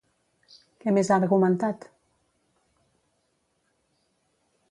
Què més ha argumentat?